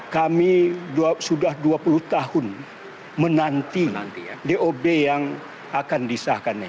kami sudah dua puluh tahun menanti dob yang akan disahkannya